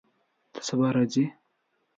ته سبا راځې؟